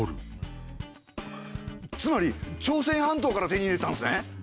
つまり朝鮮半島から手に入れてたんすね。